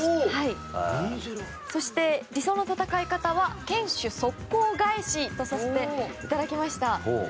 そして、理想の戦い方は堅守速攻返しとさせていただきました。